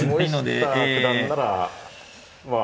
森下九段ならまあ